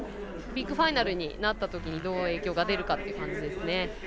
ビッグファイナルになったときにどう影響が出るかって感じですね。